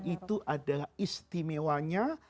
itu adalah istimewanya